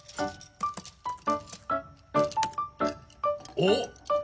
おっ。